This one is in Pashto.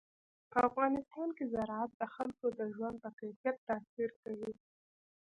په افغانستان کې زراعت د خلکو د ژوند په کیفیت تاثیر کوي.